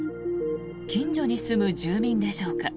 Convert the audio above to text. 近所に住む住民でしょうか。